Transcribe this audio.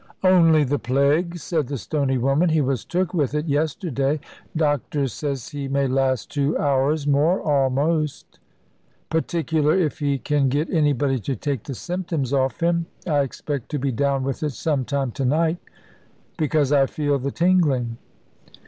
"Only the[D] plague," said the stony woman; "he was took with it yesterday; doctor says he may last two hours more almost, particular if he can get anybody to take the symptoms off him. I expect to be down with it some time to night, because I feel the tingling.